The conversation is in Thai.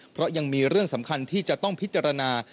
เพราะยังมีเรื่องสำคัญที่จะต้องพิจารณา